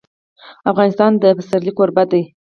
افغانستان د پسرلی کوربه دی.